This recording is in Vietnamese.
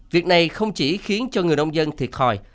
việc này không chỉ khiến cho người nông dân thiệt thòi